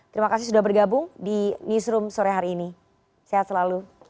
terima kasih sudah bergabung di newsroom sore hari ini sehat selalu